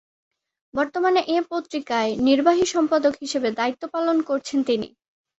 বর্তমানে এ পত্রিকায় নির্বাহী সম্পাদক হিসেবে দায়িত্ব পালন করছেন তিনি।